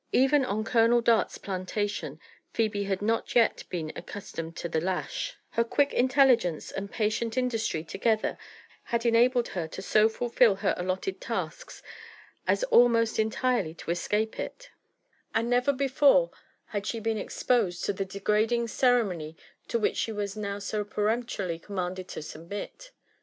Even on Colonel Dart's plantation Pbebe bad not yet been accus^ (omed to the lash ; her quick intelligence and patient industry together had enabled her so to fulfil her allotted tasks as almost entirely to escape it ; and never before bad she been exposed to the degrading ceremony to which she was now so peremptorily commanded to submit.